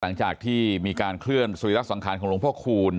หลังจากที่มีการเคลื่อนสุริรสังขารของหลวงพ่อคูณ